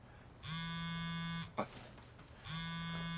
あっ。